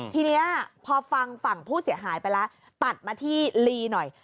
ทีนี้พอฟังฝั่งผู้เสียหายไปแล้วตัดมาที่ลีหน่อย